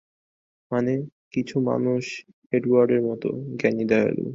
মানে, কিছু মানুষ এডওয়ার্ডের মতোঃ জ্ঞানী, দয়ালু।